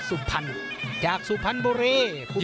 นักมวยจอมคำหวังเว่เลยนะครับ